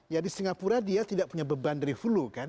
ya di singapura dia tidak punya beban dari hulu kan